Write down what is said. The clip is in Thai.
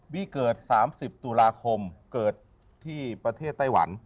เกิด๓๐ตุลาคมเกิดที่ประเทศไต้หวัน